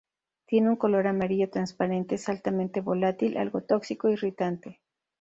Tiene un color amarillo transparente, es altamente volátil, algo tóxico e irritante.